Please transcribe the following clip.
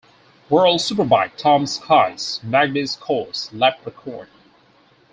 World Superbike Tom Skyes Magny-Cours Lap Record.